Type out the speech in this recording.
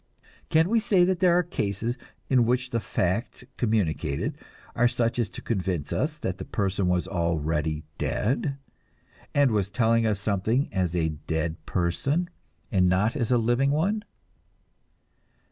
Can we say that there are cases in which the facts communicated are such as to convince us that the person was already dead, and was telling us something as a dead person and not as a living one?